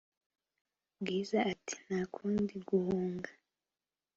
bwiza ati"ntakundi guhunga?"